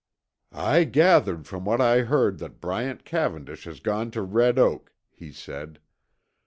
"I gathered from what I heard that Bryant Cavendish has gone to Red Oak," he said.